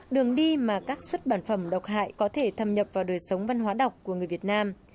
đường đi mà các xuất bản phẩm độc hại có thể thâm nhập vào đời sống văn hóa đọc của người việt nam